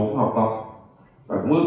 kể câu chuyện liên quan đến